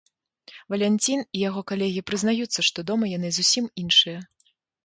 Валянцін і яго калегі прызнаюцца, што дома яны зусім іншыя.